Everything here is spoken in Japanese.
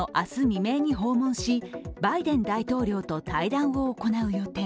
未明に訪問しバイデン大統領と対談を行う予定。